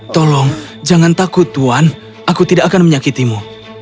tolong jangan takut tuan aku tidak akan menyakitimu